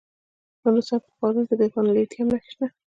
د نورستان په پارون کې د لیتیم نښې شته.